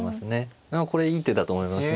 これいい手だと思いますね。